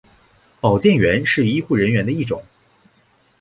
保健员是医护人员的一种。